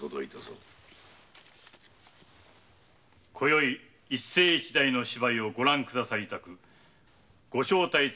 「今宵一世一代の芝居をご覧くだされたくご招待つかまつり候」